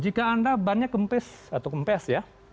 jika anda banyak kempes atau kempes ya